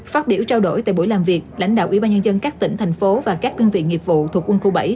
phát biểu trao đổi tại buổi làm việc lãnh đạo ủy ban nhân dân các tỉnh thành phố và các đơn vị nghiệp vụ thuộc quân khu bảy